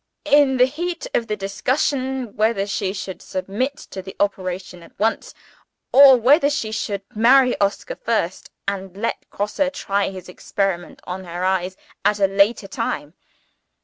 In the heat of the discussion whether she should submit to the operation at once or whether she should marry Oscar first, and let Grosse try his experiment on her eyes at a later time.